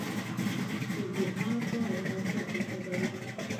سی بي ار باید اتیا فیصده وي